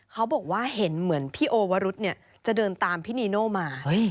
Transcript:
เขาบอกว่าเห็นเหมือนพี่โอวรุษจะเดินตามพี่นีโน่มา